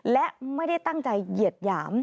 และไม่ได้ตั้งใจเหยียดหยาม